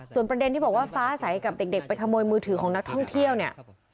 ส่วนประเด็นที่บอกว่าฟ้าใสกับเด็กไปขโมยมือถือของนักท่องเที่ยวเนี่ย